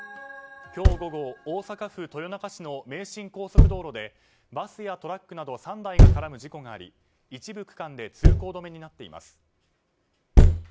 今日午後、大阪府豊中市の名神高速道路でバスやトラックなど３台が絡む事故があり一部区間で通行止めとなっています。